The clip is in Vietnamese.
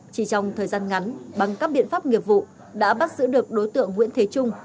chỉ trong thời gian ngắn bằng các biện pháp nghiệp vụ đã bắt giữ được đối tượng nguyễn thế trung